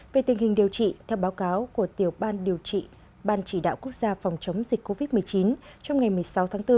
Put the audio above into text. về tình hình điều trị theo báo cáo của tiểu ban điều trị ban chỉ đạo quốc gia phòng chống dịch covid một mươi chín trong ngày một mươi sáu tháng bốn